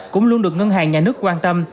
cũng luôn được ngân hàng nhà nước quan tâm